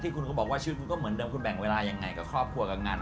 คุณก็บอกว่าชีวิตคุณก็เหมือนเดิมคุณแบ่งเวลายังไงกับครอบครัวกับงาน